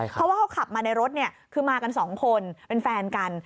เพราะว่าเขาขับมาในรถคือมากันสองคนเป็นแฟนกัน